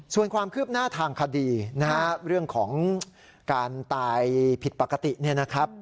ส่วนความคืบหน้าทางคดีนะฮะเรื่องของการตายผิดปกติเนี่ยนะครับ